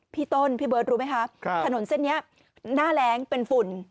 พี่ต้นพี่เบิร์ตรู้ไหมคะถนนเส้นนี้หน้าแรงเป็นฝุ่น